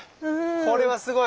これはすごい！